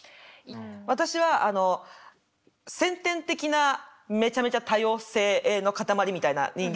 私はあの先天的なめちゃめちゃ多様性の塊みたいな人間だったの。